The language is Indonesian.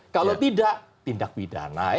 kalau tidak tindak pidana